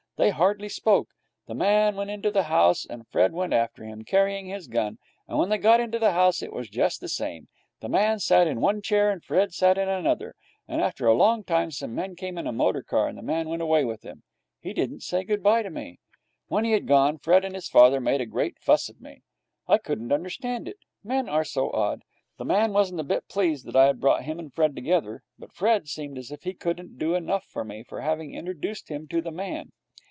They hardly spoke. The man went into the house, and Fred went after him, carrying his gun. And when they got into the house it was just the same. The man sat in one chair, and Fred sat in another, and after a long time some men came in a motor car, and the man went away with them. He didn't say good bye to me. When he had gone, Fred and his father made a great fuss of me. I couldn't understand it. Men are so odd. The man wasn't a bit pleased that I had brought him and Fred together, but Fred seemed as if he couldn't do enough for me for having introduced him to the man.